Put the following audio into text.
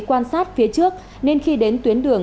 quan sát phía trước nên khi đến tuyến đường